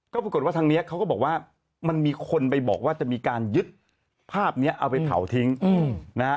ก็ปรากฏว่าทางนี้เขาก็บอกว่ามันมีคนไปบอกว่าจะมีการยึดภาพนี้เอาไปเผาทิ้งนะฮะ